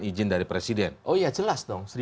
izin dari presiden oh iya jelas dong